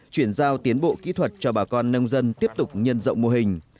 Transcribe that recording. chuyển giao tiến bộ kỹ thuật cho bà con nông dân tiếp tục nhân rộng mô hình